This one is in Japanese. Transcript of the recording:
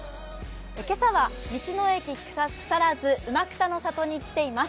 今朝は道の駅木更津うまくたの里に来ています。